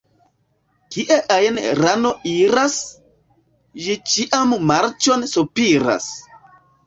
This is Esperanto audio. Kie ajn rano iras, ĝi ĉiam marĉon sopiras.